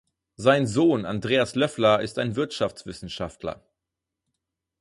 Sein Sohn Andreas Löffler ist ein Wirtschaftswissenschaftler.